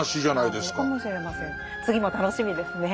次も楽しみですね。